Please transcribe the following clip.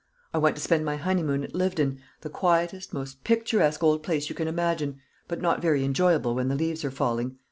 I want to spend my honeymoon at Lyvedon, the quietest, most picturesque old place you can imagine, but not very enjoyable when the leaves are falling.